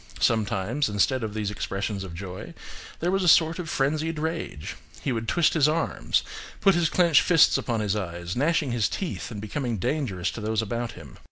Sometimes, instead of these expressions of joy, there was a sort of frenzied rage: he would twist his arms, put his clenched fists upon his eyes, gnashing his teeth and becoming dangerous to those about him.